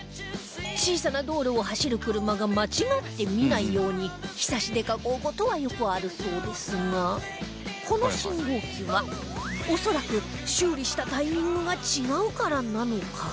小さな道路を走る車が間違って見ないように庇で囲う事はよくあるそうですがこの信号機は恐らく修理したタイミングが違うからなのか？